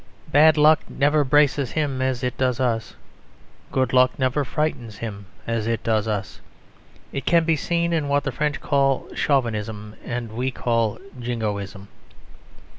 Bad luck never braces him as it does us. Good luck never frightens him as it does us. It can be seen in what the French call Chauvinism and we call Jingoism.